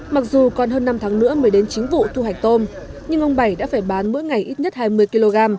mặc dù còn hơn năm tháng nữa mới đến chính vụ thu hạch tôm nhưng ông bảy đã phải bán mỗi ngày ít nhất hai mươi kg